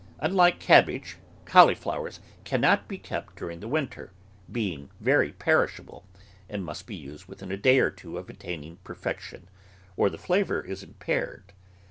Unlike cabbage, cauliflowers cannot be kept during winter, being very perishable, and must be used within a day or two of attaining perfec tion, or the flavour is impaired.